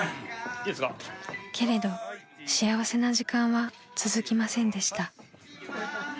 ［けれど幸せな時間は続きませんでした］